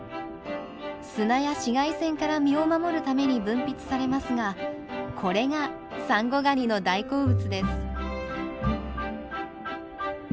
砂や紫外線から身を守るために分泌されますがこれがサンゴガニの大好物です。